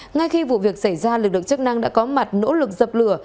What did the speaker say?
ngay khi vụ việc xảy ra lực lượng chức năng đã có mặt nỗ lực dập lửa